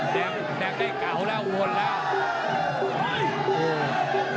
แดกแดกได้เก่าแล้วโวนแล้ว